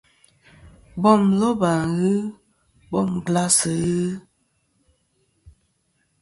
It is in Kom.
Bom loba ghɨ, bom glas ghɨ.